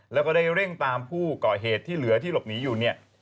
แล้วก็ได้เร่งตามผู้ก่อเหตุที่เหลือที่หลบหนีอยู่เนี่ย